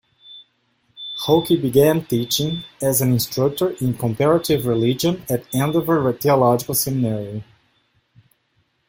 Hocking began teaching as an instructor in comparative religion at Andover Theological Seminary.